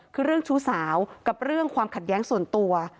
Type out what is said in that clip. คือเรื่องชู้สาวกับเรื่องความขัดแย้งส่วนตัว